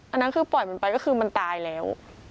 อันนั้นคือปล่อยมันไปก็คือมันตายแล้ว